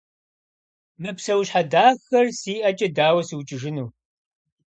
Мы псэущхьэ дахэр си ӀэкӀэ дауэ сукӀыжыну?